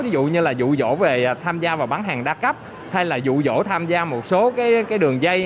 ví dụ như là dụ dỗ về tham gia vào bán hàng đa cấp hay là dụ dỗ tham gia một số đường dây